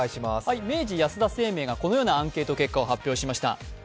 明治安田生命がこのようなアンケート結果を発表しました。